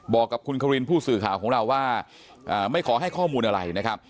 บอกกับคุณควินผู้สื่อข่าวของเราว่าไม่ขอให้ข้อมูลอะไรนะครับ